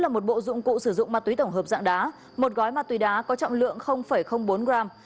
là một bộ dụng cụ sử dụng ma túy tổng hợp dạng đá một gói ma túy đá có trọng lượng bốn gram